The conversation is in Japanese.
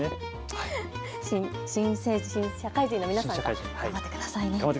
新社会人の皆さん、頑張ってくださいね。